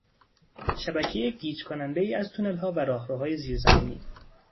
شبکهی گیج کنندهای از تونلها و راهروهای زیرزمینی